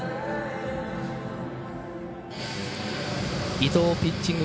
伊藤ピッチング